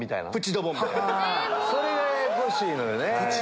⁉それがややこしいのよ。